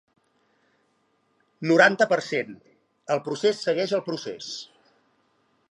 Noranta per cent El procés segueix el procés.